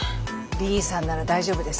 リーさんなら大丈夫です。